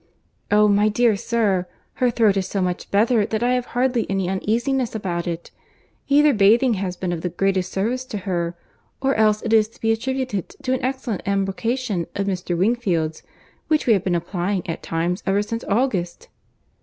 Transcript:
"Oh! my dear sir, her throat is so much better that I have hardly any uneasiness about it. Either bathing has been of the greatest service to her, or else it is to be attributed to an excellent embrocation of Mr. Wingfield's, which we have been applying at times ever since August."